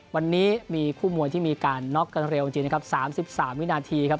วันนี้มีคู่มวยที่มีการน็อกกันเร็วจริงจริงครับสามสิบสามวินาทีครับ